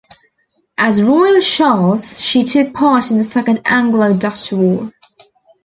As "Royal Charles" she took part in the Second Anglo-Dutch War.